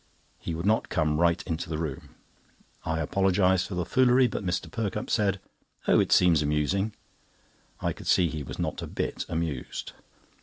He would not come right into the room. I apologised for the foolery, but Mr. Perkupp said: "Oh, it seems amusing." I could see he was not a bit amused.